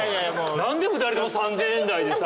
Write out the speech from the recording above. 何で２人とも３，０００円台でさ。